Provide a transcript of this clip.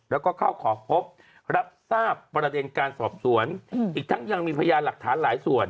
แล้วก็เข้าขอพบรับทราบประเด็นการสอบสวนอีกทั้งยังมีพยานหลักฐานหลายส่วน